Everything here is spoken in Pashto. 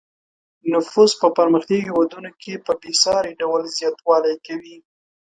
نفوس په پرمختیايي هېوادونو کې په بې ساري ډول زیاتوالی کوي.